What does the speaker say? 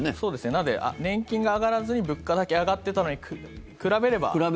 なので年金が上がらずに物価だけ上がっていたのに比べれば。